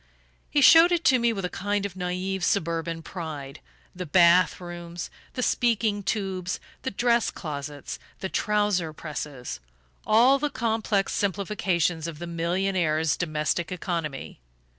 He showed it to me with a kind of naive suburban pride: the bath rooms, the speaking tubes, the dress closets, the trouser presses all the complex simplifications of the millionaire's domestic economy.